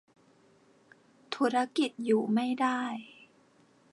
ธุรกิจอยู่ไม่ได้